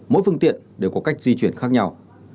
mỗi phương tiện đều có cách di chuyển khác nhau